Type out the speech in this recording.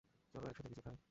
চলো, একসাথে কিছু খাই।